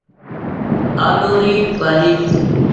آلو ري ڀآڃي۔